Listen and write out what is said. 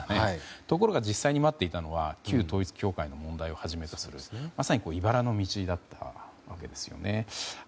ところが、実際に待っていたのは旧統一教会の問題をはじめとするまさにいばらの道だったわけですよね。